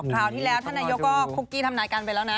ราวที่แล้วท่านนายกก็คุกกี้ทำนายการไปแล้วนะ